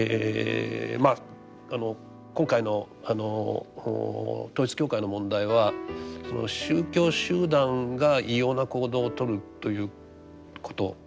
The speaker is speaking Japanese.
今回の統一教会の問題はその宗教集団が異様な行動をとるということ。